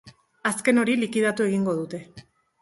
Azken hori likidatu egingo dute.